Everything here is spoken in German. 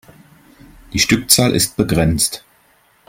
Die Stückzahl ist begrenzt.